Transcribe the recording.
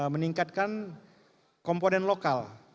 meningkatkan komponen lokal